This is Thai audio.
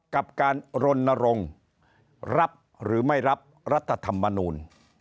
กับการรณรงค์รับหรือไม่รับรัฐธรรมนูล